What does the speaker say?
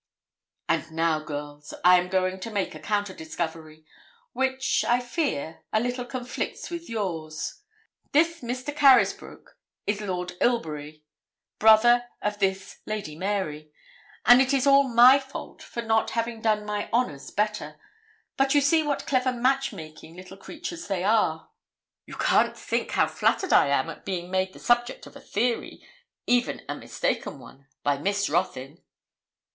'And now, girls, I am going to make a counter discovery, which, I fear, a little conflicts with yours. This Mr. Carysbroke is Lord Ilbury, brother of this Lady Mary; and it is all my fault for not having done my honours better; but you see what clever match making little creatures they are.' 'You can't think how flattered I am at being made the subject of a theory, even a mistaken one, by Miss Ruthyn.'